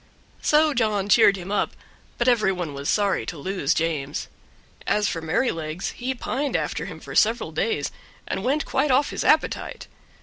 So John cheered him up, but every one was sorry to lose James; as for Merrylegs, he pined after him for several days, and went quite off his appetite.